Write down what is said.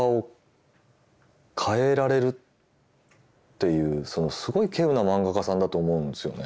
というすごい稀有な漫画家さんだと思うんですよね。